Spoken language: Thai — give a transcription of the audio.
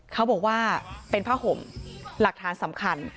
เขาบอกว่าเป็นผ้าห่มหลักฐานสำคัญ